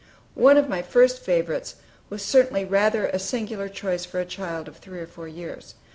One of my first favorites was certainly rather a singular choice for a child of three or four years.